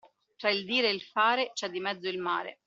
Tra il dire e il fare c'è di mezzo il mare.